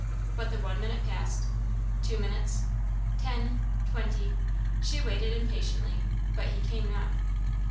But the one minute passed two minutes ten twenty she waited impatiently, but he came not.